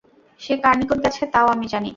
সে কার নিকট গেছে তাও আমি জানি।